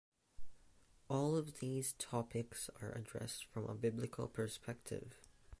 All of these topics are addressed from a Biblical perspective.